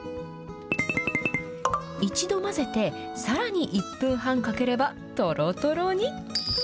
一度混ぜて、さらに１分半かければ、とろとろに。